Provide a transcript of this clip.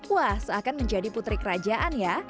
wah seakan menjadi putri kerajaan ya